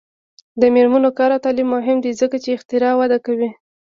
د میرمنو کار او تعلیم مهم دی ځکه چې اختراع وده کوي.